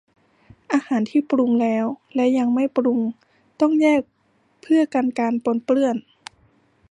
อาหารที่ปรุงแล้วและยังไม่ปรุงต้องแยกเพื่อกันการปนเปื้อน